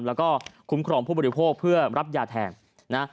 แล้วก็คุ้มครองผู้บริโภคเพื่อรับยาแทนนะ